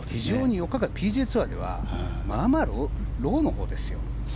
ＰＧＡツアーではまあまあ、ローなほうですよ。